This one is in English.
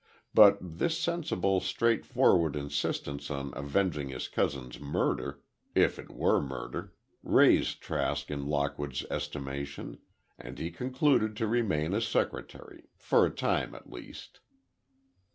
But this sensible, straightforward insistence on avenging his cousin's murder—if it were murder—raised Trask in Lockwood's estimation, and he concluded to remain as secretary, for a time, at least.